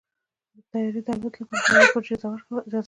د طیارې د الوت لپاره هوايي برج اجازه ورکوي.